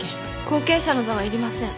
後継者の座は要りません。